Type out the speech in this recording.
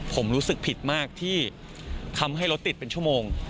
ผมรู้สึกผิดมากที่ทำให้รถติดเป็นชั่วโมง